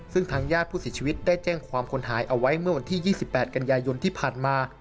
ซึ่งทางญาติผู้เสียชีวิตได้แจ้งความคนหายเอาไว้เมื่อวันที่๒๘กันยายนที่ผ่านมา